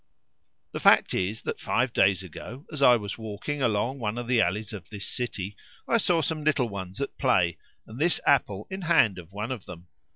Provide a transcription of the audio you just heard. The fact is that five days ago, as I was walking along one of the alleys of this city, I saw some little ones at play and this apple in hand of one of them.